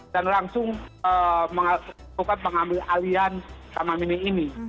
dan langsung mengambil alih taman mini ini